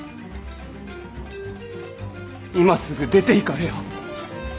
今すぐ出ていかれよ。